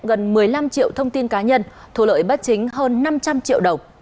gần một mươi năm triệu thông tin cá nhân thu lợi bất chính hơn năm trăm linh triệu đồng